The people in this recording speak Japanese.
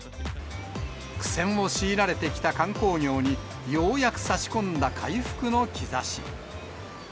苦戦を強いられてきた観光業に、ようやくさし込んだ回復の兆し。